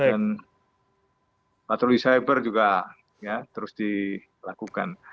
dan patroli cyber juga ya terus dilakukan